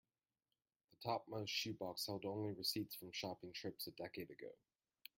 The topmost shoe box held only receipts from shopping trips a decade ago.